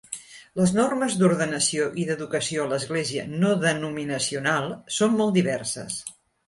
Les normes d'ordenació i d'educació a l'església no denominacional són molt diverses.